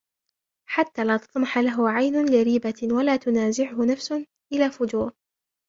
حَتَّى لَا تَطْمَحَ لَهُ عَيْنٌ لِرِيبَةٍ وَلَا تُنَازِعَهُ نَفْسٌ إلَى فُجُورٍ